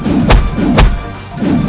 aku berhasil agar ia kan ada